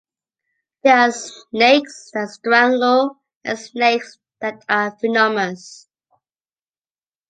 There are snakes that strangle and snakes that are venomous.